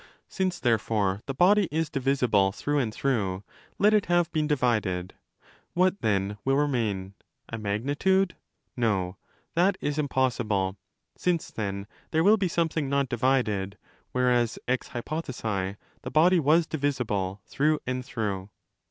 Since, therefore, the body is divisible through and through, let it have been divided.' What, then, will remain ἢ A magnitude? No: that is impossible, since then there will be something not divided, whereas ex hypothesi the body was divisible through and through.